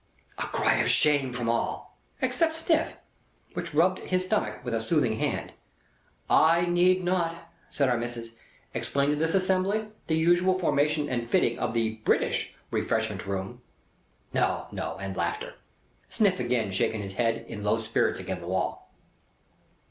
A cry of "Shame!" from all—except Sniff, which rubbed his stomach with a soothing hand. "I need not," said Our Missis, "explain to this assembly, the usual formation and fitting of the British Refreshment Room?" No, no, and laughter. Sniff agin shaking his head in low spirits agin the wall.